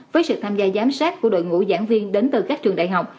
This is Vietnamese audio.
với sự tham gia giám sát của đội ngũ giảng viên đến từ các trường đại học